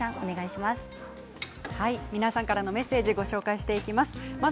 皆さんからのメッセージをご紹介します。